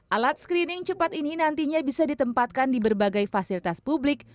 alat screening cepat ini nantinya bisa ditempatkan di berbagai fasilitas publik